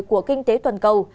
của kinh tế toàn cầu